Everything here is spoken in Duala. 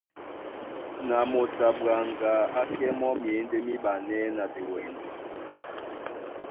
Na moto a ɓwaŋga á kɛ́ mɔ́ myěndé míɓanɛ́ na diwɛndi.